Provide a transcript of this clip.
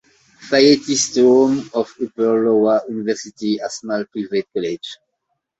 Fayette is the home of Upper Iowa University, a small private college.